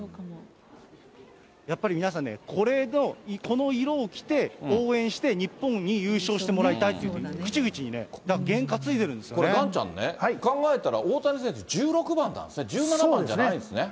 やっぱり皆さんね、これの、この色を着て応援して、日本に優勝してもらいたいと口々にね、ガンちゃんね、考えたら大谷選手、１６番なんですね、１７番じゃないんですね。